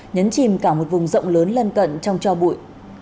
nhấn chìm cả một vùng rộng lớn lân cận trong cho bụi